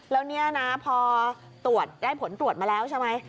แล้วนี่นะพอตรวจได้ผลตรวจมาแล้วใช่ไหม